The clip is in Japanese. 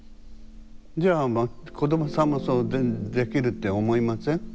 じゃあ子どもさんもそうできるって思いません？